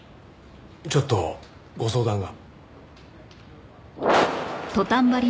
ちょっとご相談が。